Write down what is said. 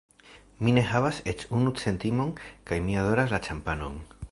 Mi ne havas eĉ unu centimon kaj mi adoras la ĉampanon.